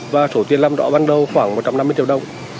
và số tiền làm rõ ban đầu khoảng một trăm năm mươi triệu đồng